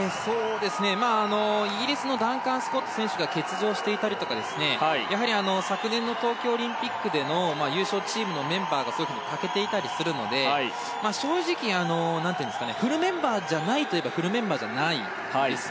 イギリスのダンカン・スコット選手が欠場していたりとか昨年の東京オリンピックでの優勝チームのメンバーが欠けていたりするので正直、フルメンバーじゃないといえばフルメンバーじゃないんです。